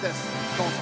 どうぞ！